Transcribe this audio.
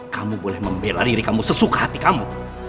kamu boleh membela diri kamu sesuka hati kamu